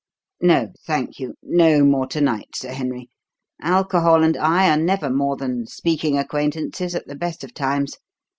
No, thank you no more to night, Sir Henry. Alcohol and I are never more than speaking acquaintances at the best of times.